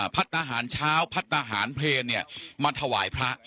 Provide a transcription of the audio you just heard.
พัฒนาหารเช้าพัฒนาหารเพลนเนี่ยมาถวายพระ